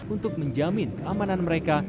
untuk menjamin keamanan mereka